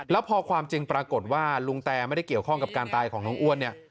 แล้วพอความจริงปรากฏว่าลุงแตไม่ได้เกี่ยวข้องกับการตายของน้องอ้วนเนี่ย